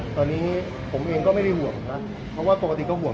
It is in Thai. ตอนนี้ผมเองก็ไม่ได้ห่วงนะเพราะว่าปกติก็ห่วง